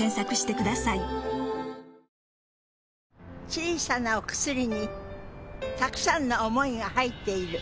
小さなお薬にたくさんの想いが入っている。